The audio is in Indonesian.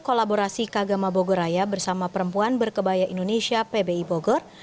kolaborasi kagama bogoraya bersama perempuan berkebaya indonesia pbi bogor